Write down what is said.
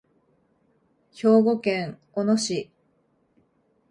兵庫県小野市